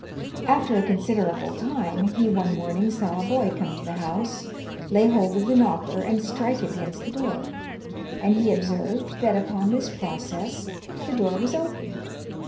After a considerable time, he one morning saw a boy come to the house, lay hold of the knocker, and strike it against the door, and he observed that upon this process the door was opened.